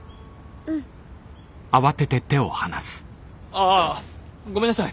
あぁごめんなさい。